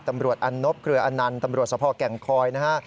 ตำรวจอันนบเครืออนันต์ตำรวจสภแก่งคอยนะฮะ